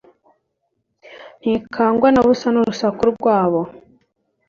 ntikangwa na busa n’urusaku rwabo,